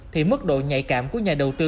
thì mức độ nhạy cảm của nhà đầu tư